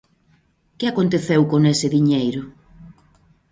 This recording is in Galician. Que aconteceu con ese diñeiro?